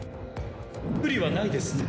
無理はないですね。